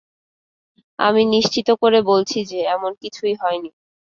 আমি নিশ্চিত করে বলছি যে, এমন কিছুই হয়নি।